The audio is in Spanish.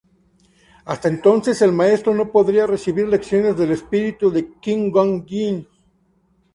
Hasta entonces el Maestro no podrá recibir lecciones del espíritu de Qui-Gon Jinn.